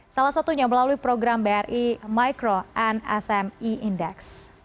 salah satunya melalui program bri micro and sme index